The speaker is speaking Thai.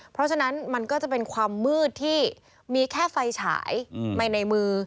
เพราะฉะนั้นมันก็จะเป็นความมืดที่มีแค่ไฟฉายใหม่ในมือ